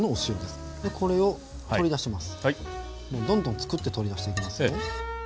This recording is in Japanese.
もうどんどんつくって取り出していきますよ。